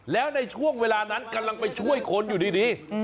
แล้วในช่วงเวลานั้นกำลังไปช่วยคนอยู่ดี